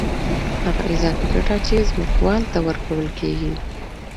هغه اضافي ګټه چې ځمکوال ته ورکول کېږي